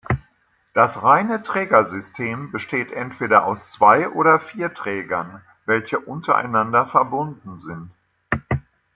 Das reine Trägersystem besteht entweder aus zwei oder vier Trägern, welche untereinander verbunden sind.